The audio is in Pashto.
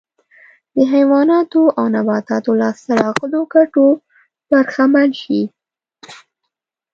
د حیواناتو او نباتاتو لاسته راغلو ګټو برخمن شي